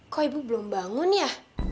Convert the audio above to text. kok ibu belum bangun ya